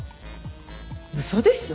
嘘でしょ！？